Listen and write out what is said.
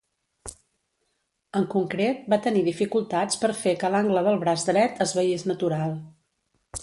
En concret, va tenir dificultats per fer que l'angle del braç dret es veiés natural.